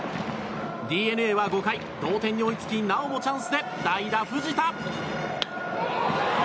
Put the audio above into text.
ＤｅＮＡは５回同点に追いつきなおもチャンスで代打、藤田。